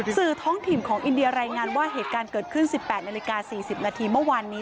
สื่อท้องถิ่นของอินเดียรายงานว่าเหตุการณ์เกิดขึ้น๑๘นาฬิกา๔๐นาทีเมื่อวานนี้